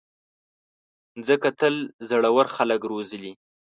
مځکه تل زړور خلک روزلي.